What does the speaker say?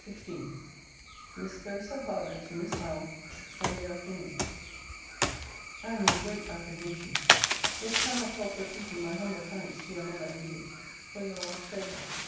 LETTER XV MISS CLARISSA HARLOWE, TO MISS HOWE SUNDAY AFTERNOON I am in great apprehension. Yet cannot help repeating my humble thanks to your mother and you for your last favour.